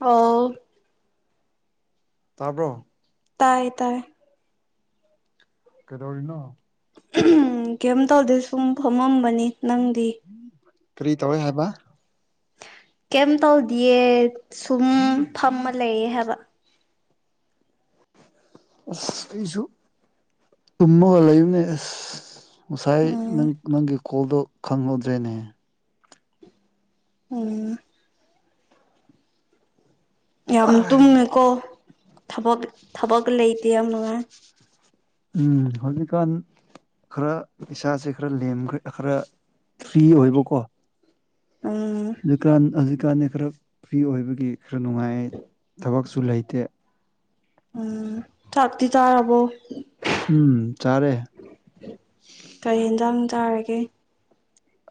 ꯑꯣ ꯇꯥꯕ꯭ꯔꯣ ꯇꯥꯏ ꯇꯥꯏ ꯀꯩꯗꯧꯔꯤꯅꯣ ꯎꯝ ꯀꯩꯝ ꯇꯧꯗꯦ ꯁꯨꯝ ꯐꯝꯃꯝ ꯕꯅꯤ ꯅꯪꯗꯤ ꯀꯔꯤ ꯇꯧꯋꯦ ꯍꯥꯏꯕ ꯀꯩꯝ ꯇꯧꯗꯤꯌꯦ ꯁꯨꯝ ꯐꯝꯃ ꯂꯩꯌꯦ ꯍꯥꯏꯕ ꯑꯁ ꯑꯩꯁꯨ ꯇꯨꯝꯃꯒ ꯂꯩꯕꯅꯦ ꯑꯁ ꯉꯁꯥꯏ ꯎꯝ ꯅꯪ ꯅꯪꯒꯤ ꯀꯣꯜꯗꯣ ꯈꯪꯍꯧꯗ꯭ꯔꯦꯅꯦ ꯎꯝ ꯌꯥꯝ ꯇꯨꯝꯃꯦꯀꯣ ꯊꯕꯛ ꯊꯕꯛ ꯂꯩꯇꯦ ꯌꯥꯝ ꯅꯨꯡꯉꯥꯏ ꯎꯝ ꯍꯧꯖꯤꯛꯀꯥꯟ ꯈꯔ ꯏꯁꯥꯁꯦ ꯈꯔ ꯂꯦꯝꯈ꯭ꯔꯦ ꯈꯔ ꯐ꯭ꯔꯤ ꯑꯣꯏꯕꯀꯣ ꯎꯝ ꯍꯧꯖꯤꯛꯀꯥꯟ ꯍꯧꯖꯤꯛ ꯀꯥꯟꯗ ꯈꯔ ꯐꯔ꯭ꯤ ꯑꯣꯏꯕꯒꯤ ꯈꯔ ꯅꯨꯡꯉꯥꯏ ꯊꯕꯛꯁꯨ ꯂꯩꯇꯦ ꯎꯝ ꯊꯥꯛꯇ ꯇꯥꯔꯔꯕꯕꯣ ꯎꯝ ꯆꯥꯔꯦ ꯑꯦ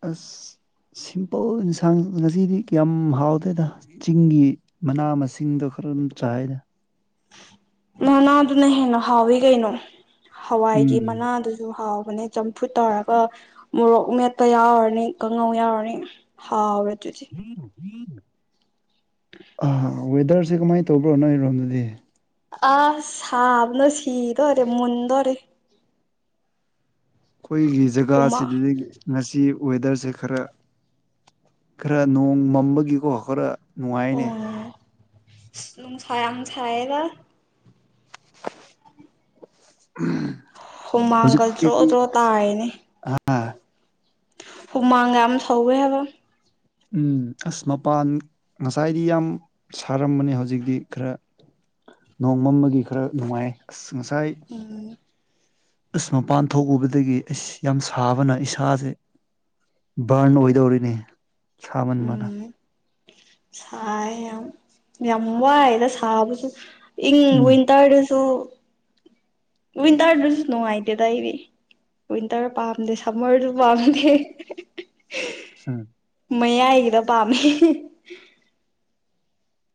ꯑꯁ ꯁꯤꯝꯄꯜ ꯏꯟꯁꯥꯡ ꯉꯁꯤꯗꯤ ꯌꯥꯝ ꯍꯥꯎꯗꯦꯗ ꯆꯤꯡꯒꯤ ꯃꯅꯥ ꯃꯁꯤꯡꯗꯣ ꯈꯔ ꯑꯗꯨꯝ ꯆꯥꯏꯗ ꯃꯥꯅ ꯑꯗꯨꯅ ꯍꯦꯅ ꯍꯥꯎꯒꯩꯅꯣ ꯍꯋꯥꯏꯒꯤ ꯎꯝ ꯃꯅꯥꯗꯨꯁꯨ ꯍꯥꯎꯋ ꯅꯦ ꯆꯝꯐꯨꯠ ꯇꯧꯔꯒ ꯃꯣꯔꯣꯛ ꯃꯦꯠꯄ ꯌꯥꯎꯔꯅꯤ ꯀꯥꯡꯉꯧ ꯌꯥꯎꯔꯅꯤ ꯍꯥꯎꯔ ꯎꯝ ꯏꯠ ꯑ ꯋꯦꯗꯔꯁꯦ ꯀꯃꯥꯏꯅ ꯇꯧꯕ꯭ꯔꯣ ꯅꯣꯏꯔꯣꯝꯗꯗꯤ ꯑ ꯁꯥꯕꯅ ꯁꯤꯤꯗ ꯑꯣꯏꯔꯦ ꯃꯟꯗ ꯑꯣꯏꯣꯔꯦ ꯑꯩꯈꯣꯏꯒꯤ ꯍꯨꯃꯥꯡ ꯖꯒꯥꯁꯤꯗꯗꯤ ꯉꯁꯤ ꯋꯦꯗꯔꯁꯦ ꯈꯔ ꯈꯔ ꯅꯣꯡ ꯃꯝꯕꯒꯤꯀꯣ ꯈꯔ ꯅꯨꯡꯉꯥꯏꯅꯦ ꯅꯨꯡ ꯁ ꯁꯥꯏꯗ ꯍꯨꯃꯥꯡꯒꯜ ꯗ꯭ꯔꯣ ꯍꯧꯖꯤꯛꯇꯤ ꯗ꯭ꯔꯣ ꯇꯥꯔꯤꯅꯦ ꯑꯥ ꯍꯨꯃꯥꯡꯒ ꯌꯥꯝ ꯁꯧꯋꯦ ꯍꯥꯏꯕ ꯎꯝ ꯑꯁ ꯃꯄꯥꯟ ꯉꯁꯥꯏꯗꯤ ꯌꯥꯝ ꯁꯥꯔꯝꯕꯅꯦ ꯍꯧꯖꯤꯛꯇꯤ ꯈꯔ ꯅꯣꯡꯃꯝꯕꯒꯤ ꯈꯔ ꯅꯨꯡꯉꯥꯏ ꯑꯁ ꯉꯁꯥꯏ ꯎꯝ ꯑꯁ ꯃꯄꯥꯟ ꯊꯣꯛꯎꯕꯗꯒꯤ ꯑꯩꯁ ꯌꯥꯝ ꯁꯥꯕꯅ ꯏꯁꯥꯁꯦ ꯕꯔꯟ ꯑꯣꯏꯗꯧꯔꯤꯅꯤ ꯁꯃꯟ ꯃꯅ ꯁꯥꯏꯦ ꯌꯥꯝ ꯌꯥꯝ ꯋꯥꯏꯗ ꯁꯕꯁꯨ ꯏꯪ ꯎꯝ ꯋꯤꯟꯇꯔꯗꯁꯨ [inaudible] ꯋꯤꯟꯇꯔꯗꯨꯁꯨ ꯅꯨꯡꯉꯥꯏꯇꯦꯗ ꯑꯩꯗꯤ ꯋꯤꯟꯇꯔ ꯄꯥꯝꯗꯦ ꯁꯝꯃꯔꯁꯨ ꯄꯥꯝꯗꯦ ꯎꯝ ꯃꯌꯥꯏꯒꯤꯗ ꯄꯥꯝꯃꯦ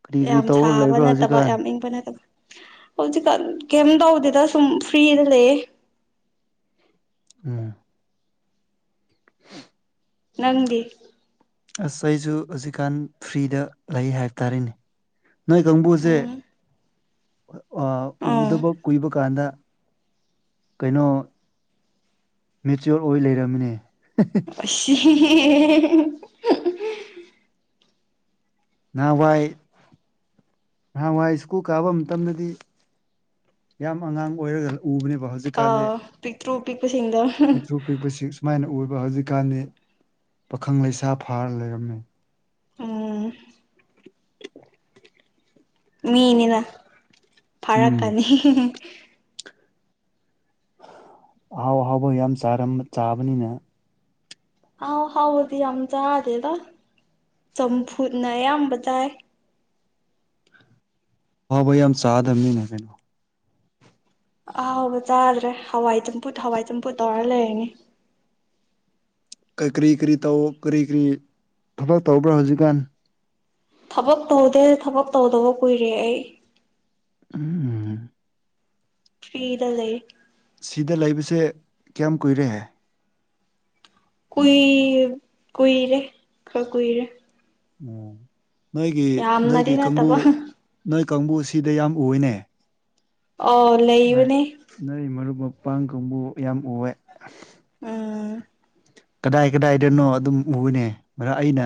ꯀꯔꯤ ꯀꯔꯤ ꯌꯥꯝ ꯇꯧꯔ ꯁꯥꯕ ꯂꯩꯕ꯭ꯔꯥ ꯅꯠꯇꯕ ꯍꯧꯖꯤꯛꯀꯥꯟ ꯌꯥꯝ ꯏꯪꯕ ꯅꯠꯇꯕ ꯍꯧꯖꯤꯛꯀꯥꯟ ꯀꯩꯝ ꯇꯧꯗꯦꯗ ꯁꯨꯝ ꯐ꯭ꯔꯤꯗ ꯂꯩꯌꯦ ꯎꯝ ꯅꯪꯗꯤ ꯑꯁ ꯑꯩꯁꯨ ꯍꯧꯖꯤꯛꯀꯥꯟ ꯐ꯭ꯔꯤꯗ ꯂꯩ ꯍꯥꯏꯕ ꯇꯥꯔꯦꯅꯦ ꯅꯣꯏ ꯀꯥꯡꯕꯨꯁꯦ ꯎꯝ ꯑꯣ ꯑꯥ ꯎꯗꯕ ꯀꯨꯏꯕ ꯀꯥꯟꯗ ꯀꯩꯅꯣ ꯃꯦꯆꯣꯔ ꯑꯣꯏ ꯂꯩꯔꯝꯃꯤꯅꯦ [unintelligible] [unintelligible] ꯅꯍꯥꯟꯋꯥꯏ ꯅꯍꯥꯟꯋꯥꯏ ꯁ꯭ꯀꯨꯜ ꯀꯥꯕ ꯃꯇꯝꯗꯗꯤ ꯌꯥꯝ ꯑꯉꯥꯡ ꯑꯣꯏꯔꯒ ꯎꯕꯅꯦꯕꯣ ꯖꯤꯀꯥꯦ ꯇ꯭ꯔꯨꯕꯤꯤ ꯄꯤꯛꯊꯣꯛ ꯄꯤꯛꯄꯁꯤ ꯁꯨꯃꯥꯏꯅ ꯎ ꯍꯧꯖꯤꯛꯀꯥꯟꯗꯤ ꯄꯥꯈꯪ ꯂꯩꯁꯥ ꯐꯥꯔ ꯂꯩꯔꯝꯃꯤ ꯑꯝ ꯃꯤꯅꯤꯅ ꯎꯝ ꯐꯔꯀꯅꯤ [unintelligible] ꯑꯍꯥꯎ ꯑꯍꯥꯎꯕ ꯌꯥꯝ ꯆꯥꯕꯅꯤꯅ ꯑꯥꯎ ꯍꯥꯎꯕꯗꯤ ꯌꯥꯝ ꯆꯥꯗꯦꯗ ꯆꯝꯐꯨꯠꯅ ꯑꯌꯥꯝꯕ ꯆꯥꯏ ꯍꯥꯎ ꯌ ꯌꯥꯝ ꯆꯥꯗꯅꯤ ꯅꯕꯅꯣ ꯑꯍꯥꯎꯕ ꯆꯥꯗ꯭ꯔꯦ ꯍꯋꯥꯏ ꯆꯝꯐꯨꯠ ꯍꯋꯥꯏ ꯆꯝꯐꯨꯠ ꯇꯧꯔ ꯂꯩꯔꯅꯤ ꯀꯔꯤ ꯀꯔꯤ ꯇꯧ ꯀꯔꯤ ꯀꯔꯤ ꯊꯕꯛ ꯇꯧꯕ꯭ꯔꯥ ꯍꯧꯖꯤꯛꯀꯥꯟ ꯊꯕꯛ ꯇꯧꯗꯦ ꯊꯕꯛ ꯇꯧꯗꯕ ꯀꯨꯏꯔꯦ ꯑꯩ ꯎꯝ ꯐꯤꯗ ꯂꯩ ꯁꯤꯗ ꯂꯩꯕꯁꯦ ꯀꯌꯥꯝ ꯀꯨꯏꯔꯦꯍꯦ ꯀꯨꯏ ꯀꯨꯏꯔꯦ ꯈ ꯀꯨꯏꯔꯦ ꯎꯝ ꯅꯣꯏꯒꯤ ꯌꯥꯝꯅꯗꯤ ꯅꯣꯏꯒꯤ ꯀꯪꯒꯨ ꯅꯠꯇꯕ ꯀꯥꯡꯕꯨꯁꯤꯗ ꯌꯥꯝ ꯑꯣꯏꯅꯦ ꯑꯣ ꯂꯩꯕꯅꯦ ꯎꯄꯥꯡꯒꯨꯝꯕꯨ ꯌꯥꯝ ꯎꯑꯦ ꯎꯝ ꯀꯗꯥꯏ ꯀꯗꯥꯏꯗꯅꯣ ꯑꯗꯨꯝ ꯎꯕꯅꯦ ꯃꯔ ꯑꯩꯅ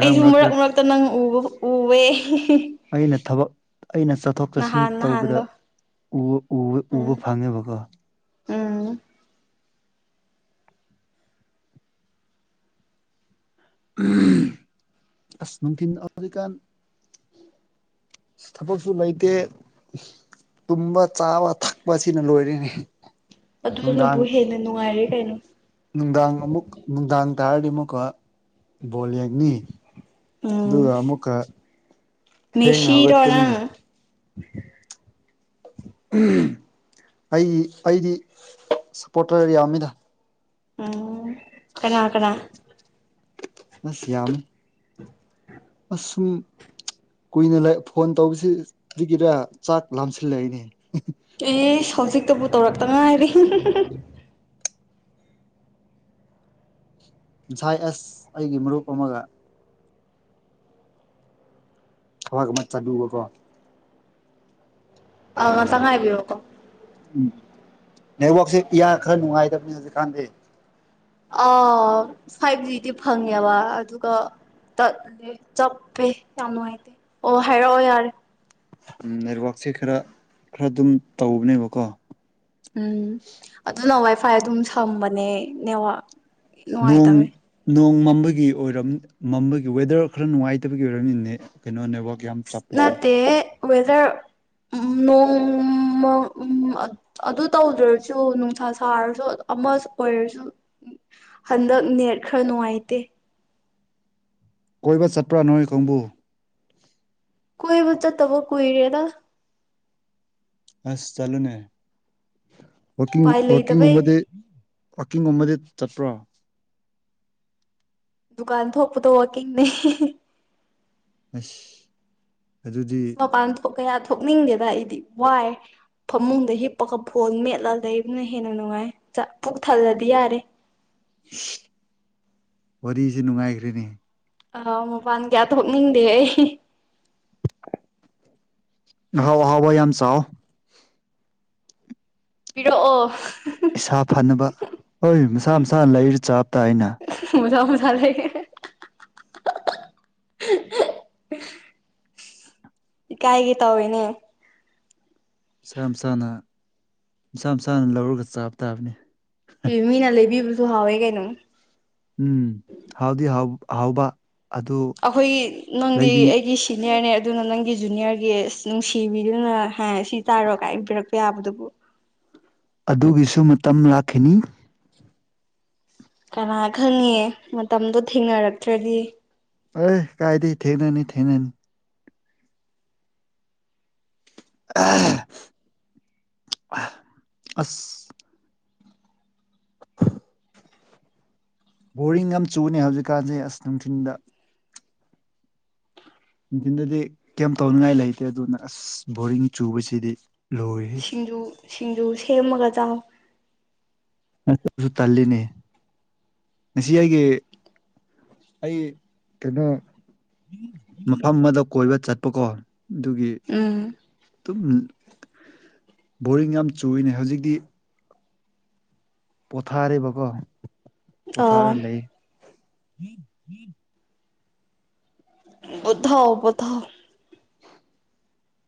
ꯑꯩꯁꯨ ꯃꯔꯛ ꯃꯔꯛꯇ ꯅꯪ ꯎꯕ ꯎꯋ ꯑꯩꯅ ꯊꯕꯛ ꯑꯩꯅ ꯆꯠꯊꯣꯛ ꯆꯠꯁꯤꯟ ꯅꯍꯥꯟ ꯇꯧꯕꯗ ꯅꯍꯥꯟꯗꯣ ꯎꯕ ꯎꯝ ꯐꯪꯉꯦꯕꯀꯣ ꯎꯝ ꯑꯁ ꯅꯅꯨꯡꯊꯤꯟ ꯑꯗꯨꯀꯥꯟ ꯊꯕꯛꯁꯨ ꯂꯩꯇꯦ ꯇꯨꯝꯕ ꯆꯥꯕ ꯊꯛꯄꯁꯤꯅ ꯂꯣꯏꯔꯤꯅꯤ [unintelligible] ꯑꯗꯨꯅꯕꯨ ꯍꯦꯟꯅ ꯅꯨꯡꯉꯥꯏꯔꯦ ꯀꯩꯅꯣ ꯅꯨꯡꯗꯥꯡ ꯑꯃꯨꯛ ꯅꯨꯡꯗꯥꯡ ꯇꯥꯔꯗꯤ ꯑꯃꯨꯛꯀ ꯕꯣꯜ ꯌꯦꯡ ꯅꯤ ꯎꯝ ꯑꯗꯨꯒ ꯑꯃꯨꯛꯀ ꯊꯦꯡꯅ ꯃꯦꯁꯤꯔꯣ ꯍꯧꯒꯠꯀꯅꯤ ꯅꯪ ꯑꯩꯒꯤ ꯑꯩꯗꯤ ꯁꯞꯄꯣꯔꯇꯔ ꯌꯥꯝꯃꯤꯗ ꯑꯣ ꯀꯅꯥ ꯀꯅꯥ ꯑꯁꯤ ꯌꯥꯃꯤ ꯑꯁ ꯁꯨꯝ ꯀꯨꯏꯅ ꯐꯣꯟ ꯇꯧꯕꯁꯤꯗꯒꯤꯔ ꯆꯥꯛ ꯂꯥꯝꯁꯤꯜꯂꯛꯏꯅꯦ ꯑꯦ ꯍꯧꯖꯤꯛꯇꯕꯨ ꯇꯧꯔꯛꯇ ꯉꯥꯏꯔꯤ ꯁꯥꯏ ꯑꯦꯁ ꯑꯩꯒꯤ ꯃꯔꯨꯞ ꯑꯃꯒ ꯊꯋꯥꯒ ꯃ ꯆ ꯕꯣ ꯀꯣ ꯑ ꯆꯥꯡꯉꯥꯏꯕꯤꯌꯣꯀꯣ ꯎꯝ ꯅꯦꯠꯋꯥꯛꯛꯁꯦ ꯏꯌꯥ ꯈꯔ ꯅꯨꯡꯉꯥꯏꯗꯕꯅꯤ ꯍꯧꯖꯤꯛꯀꯥꯟꯗꯤ ꯑꯥ ꯐꯥꯏꯚ ꯖꯤꯗꯤ ꯐꯪꯉꯦꯕ ꯑꯗꯨꯒ ꯇꯠꯂꯦ ꯆꯞꯄꯦ ꯌꯥꯝ ꯅꯨꯡꯉꯥꯏꯇꯦ ꯑꯣ ꯍꯥꯏꯔꯛꯑꯣ ꯌꯥꯔꯦ ꯎꯝ ꯅꯦꯠꯋꯔꯥꯛꯛꯁꯦ ꯈꯔ ꯈꯔ ꯑꯗꯨꯝ ꯇꯧꯕꯅꯦꯕꯀꯣ ꯎꯝ ꯑꯗꯨꯅ ꯋꯥꯏꯐꯥꯏ ꯑꯗꯨꯝ ꯁꯝꯕꯅꯦ ꯅꯦꯋꯥ ꯅꯣꯡ ꯅꯣꯡꯃꯃ ꯒꯤ ꯑꯣꯏꯔ ꯃꯝꯕꯒꯤ ꯋꯦꯗꯔ ꯈꯔ ꯅꯨꯡꯉꯥꯏꯇꯕꯒꯤ ꯑꯣꯏꯔꯝꯃꯤꯅꯦ ꯀꯩꯅꯣꯅꯦ ꯅꯠꯇꯦ ꯋꯦꯗꯔ ꯅꯣꯡꯃ ꯑꯗꯨ ꯇꯧꯗ꯭ꯔꯁꯨ ꯅꯨꯡꯁꯥ ꯁꯥꯔꯁꯨ ꯑꯃ ꯑꯣꯏꯔꯁꯨ ꯍꯟꯗꯛ ꯅꯦꯠ ꯈꯔ ꯅꯨꯡꯉꯥꯏꯇꯦ ꯀꯣꯏꯕ ꯆꯠꯄ꯭ꯔꯥ ꯅꯣꯏ ꯀꯥꯡꯕꯨ ꯀꯣꯏꯕꯨ ꯆꯠꯇꯕꯨꯣ ꯀꯨꯏꯔꯦꯗ ꯑꯁ ꯆꯂꯨꯅꯦ ꯋꯥꯀꯤ ꯎꯄꯥꯏ ꯋꯥꯀꯤꯡ ꯂꯩꯇꯕꯩ ꯑꯣꯕꯗꯤ ꯋꯥꯋꯥꯛꯀꯤꯡꯒꯨꯝꯕꯗꯤ ꯆꯠꯄ꯭ꯔꯣ ꯗꯨꯀꯥꯟ ꯊꯣꯛꯄꯗꯣ ꯋꯥꯀꯤꯅꯦ ꯑꯁ ꯑꯗꯨꯗꯤ ꯃꯄꯥꯟ ꯀꯌꯥ ꯊꯣꯛꯅꯤꯡꯒꯦꯗ ꯑꯩꯗꯤ ꯋꯥꯏ ꯐꯃꯨꯡꯗ ꯍꯤꯞꯄꯒ ꯐꯣꯟ ꯃꯦꯠꯂ ꯂꯩꯕꯅ ꯍꯦꯟꯅ ꯅꯨꯡꯉꯥꯏ ꯄꯨꯛ ꯊꯜꯂꯗꯤ ꯌꯥꯔꯦ ꯋꯥꯔꯤꯁꯦ ꯅꯨꯡꯉꯥꯏꯈ꯭ꯔꯦꯅꯦ ꯑ ꯃꯄꯥꯟ ꯀꯌꯥ ꯊꯣꯛꯅꯤꯡꯗꯦ ꯑꯩ ꯍꯥꯎ ꯍꯥꯎꯕ ꯌꯥꯝꯅ ꯆꯑꯣ ꯄꯤꯔꯛꯑꯣ ꯏꯁꯥ ꯐꯅꯕ ꯍꯣꯏ ꯃꯁꯥ ꯃꯁꯥꯅ ꯂꯩꯔ ꯆꯥꯕ ꯇꯥꯏꯅ ꯍꯨꯏ ꯅꯥꯏꯠ ꯃꯥꯡꯕ ꯂꯩꯕꯔꯥ ꯀꯥꯏꯒꯤ ꯇꯧꯅꯦ ꯏꯁꯥ ꯃꯁꯥꯅ ꯏꯁꯁꯥ ꯃꯁꯥꯅ ꯂꯧꯔꯒ ꯆꯥꯕ ꯇꯥꯕꯅꯤ ꯃꯤꯅ ꯂꯩꯕꯤꯕ ꯑꯗꯨ ꯍꯥꯎꯋꯦꯒꯦꯅꯨ ꯎꯝ ꯍꯥꯎꯗꯤ ꯍꯥꯎ ꯑꯍꯥꯎꯕ ꯑꯩꯈꯣꯏꯒꯤ ꯅꯪꯗꯤ ꯑꯩꯒꯤ ꯁꯤꯅꯤꯌꯔꯅꯦ ꯑꯗꯨꯅ ꯅꯪꯒꯤ ꯖꯨꯅꯤꯌꯔꯒꯤ ꯅꯨꯡꯁꯤꯕꯤꯗꯨꯅ ꯁꯤ ꯇꯥꯔꯣꯒ ꯍꯥꯏꯕꯤꯔꯛ ꯄ ꯌꯥꯕꯗꯨꯕꯨꯣ ꯑꯗꯨꯒꯤꯁꯨ ꯃꯇꯝ ꯂꯥꯛꯈꯤꯅꯤ ꯀꯅꯥ ꯈꯪꯉꯦ ꯃꯇꯝꯗꯣ ꯊꯦꯡꯅꯔꯛꯇ꯭ꯔꯗꯤ ꯑꯔꯦ ꯀꯥꯏꯗꯤ ꯊꯦꯡꯅꯅꯤ ꯊꯦꯡꯅꯅꯤ ꯑ ꯑꯁ ꯕꯣꯔꯤꯡ ꯑꯃ ꯆꯨꯅꯤ ꯍꯧꯖꯤꯛꯀꯥꯟꯁꯦ ꯑꯁ ꯅꯨꯡꯊꯤꯜꯗ ꯅꯨꯡꯊꯤꯟꯗꯗꯤ ꯀꯩꯝ ꯇꯧꯅꯤꯡꯉꯥꯏ ꯂꯩꯇꯦ ꯑꯗꯨꯅ ꯑꯁ ꯕꯣꯔꯤꯡ ꯆꯨꯕꯁꯤꯗꯤ ꯂꯣꯏꯔꯦ ꯁꯤꯡꯖꯨ ꯁꯤꯡꯖꯨ ꯁꯦꯝꯃꯒ ꯆ ꯁꯨ ꯇꯜꯂꯤꯅꯤ ꯉꯁꯤ ꯑꯩꯒꯤ ꯑꯩ ꯀꯩꯅꯣ ꯃꯐꯝ ꯑꯃꯗ ꯀꯣꯏꯕ ꯆꯠꯄꯀꯣ ꯑꯗꯨꯒꯤ ꯎꯝ ꯑꯗꯨꯝ ꯕꯣꯔꯤꯡ ꯌꯥꯝ ꯆꯨꯅ ꯍꯧꯖꯤꯛꯇꯤ ꯄꯊꯥ ꯑꯔꯔꯤꯕ ꯀꯣ ꯑꯥ ꯄꯣꯊꯥꯔ ꯂꯩ ꯍꯝ ꯎꯝ ꯑꯣꯊꯥꯎ ꯄꯊꯥꯎ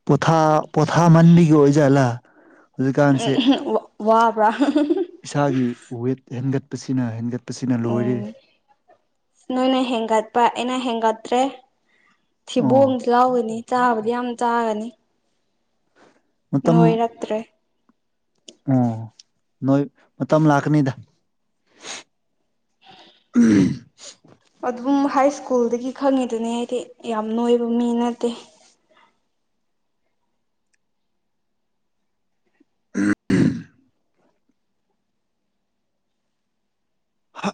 ꯄꯊꯥ ꯄꯊꯥ ꯃꯥꯟꯕꯤꯒ ꯑꯣꯏꯖꯂꯥ ꯎꯝꯝ ꯋꯥ ꯄ ꯏꯁꯥꯒꯤ ꯋꯦꯠ ꯍꯦꯟꯒꯠꯄꯁꯤꯅ ꯍꯦꯟꯒꯠ ꯎꯝ ꯅꯣꯏꯅ ꯍꯦꯟꯒꯠꯄ ꯑꯩꯅ ꯍꯦꯟꯒꯠꯇ꯭ꯔꯦ ꯑꯣ ꯁꯤꯕꯣꯝꯁꯨ ꯂꯥꯎꯒꯅꯤ ꯆꯥꯕꯗꯤ ꯌꯥꯝ ꯆꯥꯒꯅꯤ ꯃꯇꯝ ꯅꯣꯡꯣꯏꯔꯇꯦ ꯑꯣ ꯅꯣꯏ ꯃꯇꯝ ꯂꯥꯛꯀꯅꯤꯗ ꯎꯝ ꯑꯗꯨꯕꯨ ꯍꯥꯏ ꯁ꯭ꯀꯨꯜꯗꯒꯤ ꯈꯪꯉꯤꯗꯨꯅꯦ ꯑꯩꯗꯤ ꯌꯥꯝ ꯅꯣꯏꯕ ꯃꯤ ꯅꯠꯇꯦ ꯎꯝ ꯍꯥ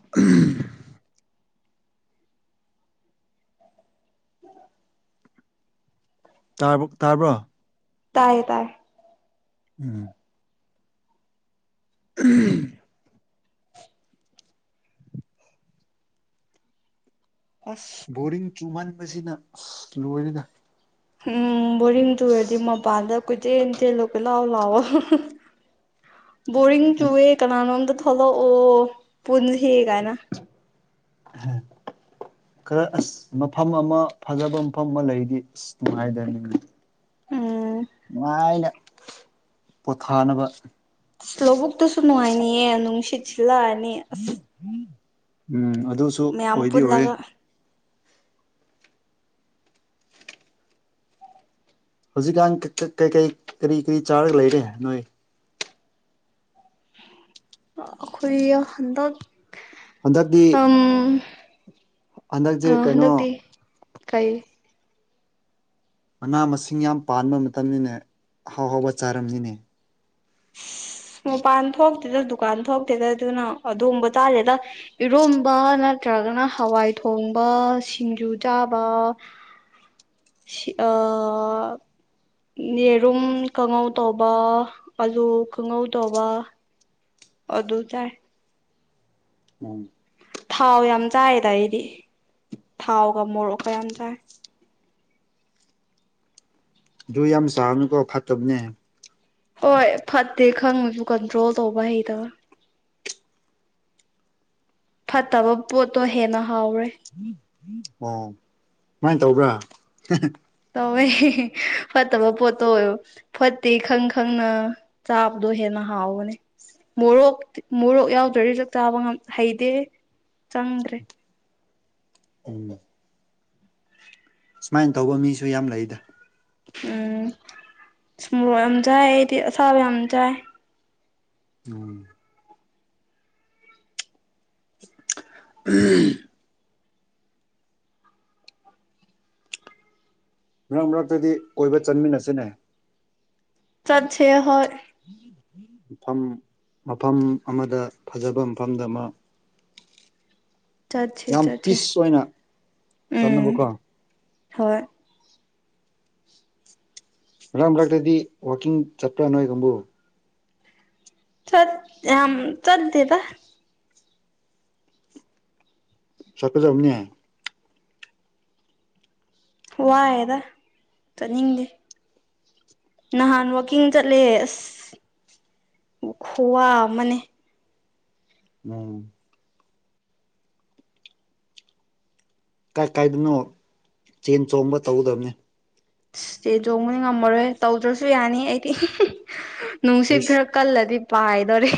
ꯥ ꯇꯥꯕ꯭ꯔꯣ ꯇꯌꯦ ꯇꯌꯦ ꯎꯝ ꯎꯝ ꯑꯁ ꯕꯣꯔꯤꯡ ꯆꯨꯃꯟꯕꯁꯤꯅ ꯑꯁ ꯂꯣꯏꯔꯤꯅ ꯎꯝ ꯕꯣꯔꯤꯡ ꯇꯨꯔꯗꯤ ꯃꯄꯥꯟꯗ ꯀꯨꯗꯦꯟ ꯇꯦꯜꯂꯣ ꯀꯣꯏ ꯂꯥꯛꯑꯣ ꯂꯥꯛꯑꯣ ꯕꯔꯤꯡ ꯆꯨꯋꯦ ꯀꯅꯥꯅꯣꯗ ꯍꯂꯣ ꯑꯣ ꯄꯨꯟꯅ ꯍ ꯀꯥꯏꯅ ꯈꯔ ꯑꯁ ꯃꯐꯝ ꯑꯃ ꯐꯖꯕ ꯃꯐꯝ ꯑꯃ ꯂꯩꯗꯤ ꯑꯁ ꯅꯨꯡꯉꯥꯏꯗꯅꯤꯅ ꯎꯝ ꯃꯥ ꯏꯩꯅ ꯄꯣꯊꯥꯅꯕ ꯁ꯭ꯂꯣꯕꯕꯨꯛꯛꯇꯁꯨꯅꯅꯨꯡꯉꯥꯏꯅꯤꯌꯦ ꯅꯨꯡꯁꯤꯠꯁꯤꯂ ꯑꯅꯤ ꯑ ꯎꯝ ꯑꯗꯨꯁꯨ ꯑꯣꯏꯗꯤ ꯑꯣꯏꯦ ꯍꯧꯖꯤꯛꯀꯥꯟ ꯀꯀꯩ ꯀꯔꯤ ꯀꯔꯤ ꯆꯥꯔꯒ ꯂꯩꯔꯦ ꯅꯣꯏ ꯑꯈꯣꯏ ꯍꯟꯗ ꯍꯟꯗꯛꯇꯤ ꯍꯟꯗꯛꯁꯦ ꯀꯩꯅꯣ ꯍꯟꯗꯛꯇꯤ ꯀꯩ ꯃꯅꯥ ꯃꯁꯤꯡ ꯌꯥꯝ ꯄꯥꯟꯕ ꯃꯇꯝꯅꯤꯅꯦ ꯑꯥꯎ ꯍꯥꯎꯕ ꯆꯥꯔꯝꯅꯤꯅꯦ ꯑ ꯃꯄꯥꯟ ꯊꯣꯛꯇꯦꯗ ꯗꯨꯀꯥꯟ ꯊꯣꯛꯇꯦꯗ ꯑꯗꯨꯅ ꯑꯕ ꯆꯥꯂꯦꯗ ꯏꯔꯣꯝꯕ ꯅꯠꯇ꯭ꯔꯒꯅ ꯍꯋꯥꯏ ꯊꯣꯡꯕ ꯁꯤꯡꯖꯨ ꯆꯥꯕ ꯌꯦꯔꯨꯝ ꯀꯥꯡꯉꯧ ꯇꯧꯕ ꯑꯂꯨ ꯀꯥꯡꯉꯧ ꯇꯧꯕ ꯑꯣ ꯑꯗꯨ ꯆꯥꯏ ꯎ ꯊꯥꯎ ꯌꯥꯝ ꯆꯥꯏꯗ ꯑꯩꯗꯤ ꯊꯥꯎꯒ ꯃꯣꯔꯣꯛꯀ ꯌꯥꯝ ꯆꯥꯏ ꯨꯏ ꯌꯥꯝ ꯑꯃ ꯁꯍꯅ ꯀꯧꯕ ꯐꯇꯕꯅꯦ ꯍꯣꯏ ꯐꯠꯇꯦ ꯈꯪꯉꯁꯨ ꯀꯟꯇ꯭ꯔꯣꯜ ꯇꯧꯕ ꯍꯩꯗꯕ ꯐꯠꯇꯕ ꯄꯣꯠꯇꯣ ꯍꯦꯅ ꯍ ꯀꯃꯥꯏꯅ ꯇꯧꯕ꯭ꯔꯥ ꯇꯧꯋꯦ ꯐꯠꯇꯕ ꯄꯣꯠꯇꯣ ꯑꯣꯏꯕ ꯐꯠꯇꯦ ꯈꯪ ꯈꯪꯅ ꯆꯥꯕꯗꯣ ꯍꯦꯟꯅ ꯍꯥꯎꯕꯅꯦ ꯃꯣꯔꯣꯛ ꯃꯣꯔꯣꯛ ꯌꯥꯎꯗ꯭ꯔꯔꯤꯁꯨ ꯆꯥꯕ ꯍꯩꯇꯦ ꯆꯪꯗ꯭ꯔꯦ ꯎ ꯁꯨꯃꯥꯏꯅ ꯇꯧꯕ ꯃꯤꯁꯨ ꯌꯥꯝ ꯂꯩꯗ ꯎꯝ ꯁꯃꯣꯔꯣ ꯌꯥꯝ ꯆꯥꯏ ꯑꯩꯗꯤ ꯑꯁꯥꯕ ꯌꯥꯝ ꯆꯥꯏ ꯎꯝ ꯎꯝ ꯃꯔꯛ ꯃꯔꯛꯇꯗꯤ ꯀꯣꯏꯕ ꯆꯟꯃꯤꯟꯅꯁꯤꯅꯦ ꯆꯠꯁ ꯍꯣꯏ ꯃꯐꯝ ꯃꯐꯝ ꯑꯃꯗ ꯐꯖꯕ ꯃꯐꯝꯗ ꯑꯃ ꯆꯠꯁꯦ ꯌꯥꯝ ꯆꯠꯁꯦ ꯄꯤꯁ ꯑꯣꯏꯅ ꯎꯝ ꯆꯠꯅꯕꯀꯣ ꯍꯣꯏ ꯃꯔꯛ ꯃꯔꯛꯇꯗꯤ ꯋꯥꯋꯥꯛꯀꯤꯡ ꯆꯠꯄ꯭ꯔꯥ ꯅꯣꯏꯒꯕꯨ ꯆꯠ ꯑ ꯆꯠꯗꯦꯕ ꯁꯠ꯭ꯔꯁꯦ ꯎꯅꯤ ꯍꯥꯏ ꯋꯥꯏꯑꯦꯗ ꯆꯠꯅꯤꯡꯗꯦ ꯅꯍꯥꯟ ꯋꯥꯋꯀꯤꯡ ꯆꯠꯂꯦ ꯑꯁ ꯈꯨꯋꯥ ꯑꯃꯅꯦ ꯎꯝ ꯀꯥꯏ ꯀꯥꯏꯗꯅꯣ ꯆꯦꯟ ꯆꯣꯡꯕ ꯇꯧꯒꯗꯕꯅꯤ ꯁꯇꯦ ꯆꯣꯡꯕꯗꯤ ꯉꯝꯃꯔꯣꯏ ꯇꯧꯗ꯭ꯔꯁꯨ ꯌꯥꯅꯤ ꯑꯩꯗꯤ ꯍꯁ ꯅꯨꯡꯁꯤꯈ꯭ꯔ ꯀꯜꯂꯗꯤ ꯑ ꯏꯗꯣꯣꯔ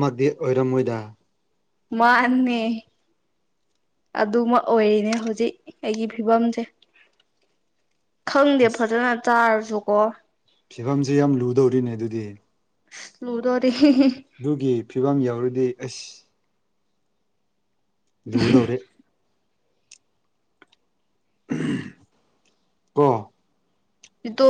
ꯃꯒꯗꯤ ꯑꯣꯏꯔꯝꯣꯏꯗ ꯃꯥꯅꯦ ꯑꯗꯨꯃ ꯑꯣꯏꯔꯤꯅꯦ ꯍꯧꯖꯤꯛ ꯑꯩꯒꯤ ꯐꯤꯕꯝꯁꯦ ꯈꯪꯗꯦ ꯐꯖꯅ ꯆꯥꯔ ꯀꯣ ꯐꯤꯕꯝꯁꯤ ꯌꯥꯝ ꯂꯨꯗꯧꯔꯤꯅꯦ ꯑꯗꯨꯗꯤ ꯂꯗ ꯑꯣꯏꯔꯤ ꯑꯗꯨꯒꯤ ꯐꯤꯕꯝ ꯌꯥꯎꯔꯤ ꯑ ꯑꯁ ꯌꯎꯗꯧꯔꯦ ꯀ ꯏꯇꯣ